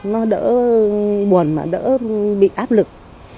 nó đỡ buồn mà đỡ bị áp lực